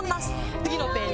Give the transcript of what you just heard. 次のページ。